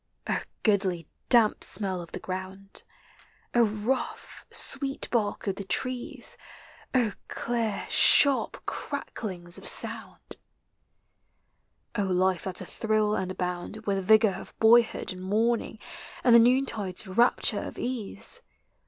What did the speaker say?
O goodly damp smell of the ground ! O rough sweet bark of the trees ! O clear sharp cracklings of sound! NATURE'S INFLUENCE. 29 O life that 's a thrill and abound With the vigor of boyhood and morning, and the noontide's rapture of ease!